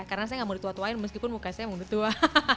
karena saya gak mau ditua tuain meskipun muka saya mau ditua